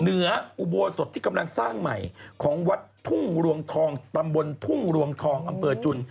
เหนืออุโบสถที่กำลังสร้างใหม่ของวัดทุ่งรวงทองตำบลทุ่งรวงทองอำเภอจุน